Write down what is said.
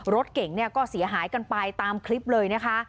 รถเก่งเนี่ยก็เสียหายกันไปตามคลิปเลยนะคะ